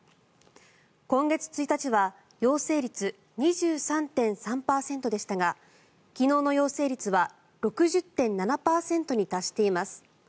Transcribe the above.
今月１日は陽性率２３．３％でしたが昨日の陽性率は６０．７％に達しています。